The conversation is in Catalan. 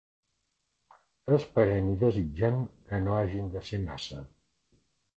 Esperem i desitgem que no hagin de ser massa.